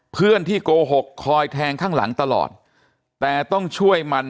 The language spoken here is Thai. เพื่อนที่โกหกคอยแทงข้างหลังตลอดแต่ต้องช่วยมัน